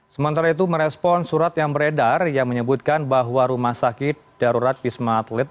sementara itu merespon surat yang beredar yang menyebutkan bahwa rumah sakit darurat wisma atlet